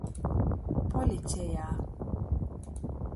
Policejā.